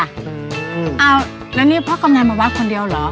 อ้าวแล้วนี่พ่อกำไรมาวัดคนเดียวเหรอ